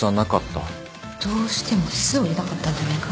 どうしても酢を入れたかったんじゃないか？